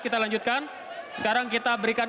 kita lanjutkan sekarang kita berikan